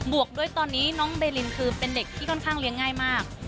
วกด้วยตอนนี้น้องเบลินคือเป็นเด็กที่ค่อนข้างเลี้ยงง่ายมาก